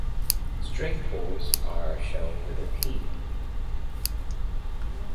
String pulls are shown with a "p".